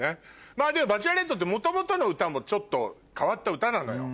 まぁでも『バチェラレット』って元々の歌もちょっと変わった歌なのよ。